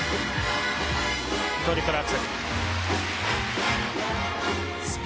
トリプルアクセル。